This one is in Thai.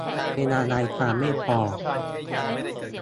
เวลารายการไม่พอ